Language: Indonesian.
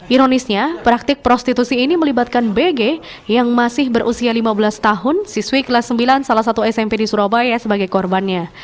ironisnya praktik prostitusi ini melibatkan bg yang masih berusia lima belas tahun siswi kelas sembilan salah satu smp di surabaya sebagai korbannya